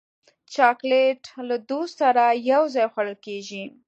چاکلېټ له دوست سره یو ځای خوړل کېږي.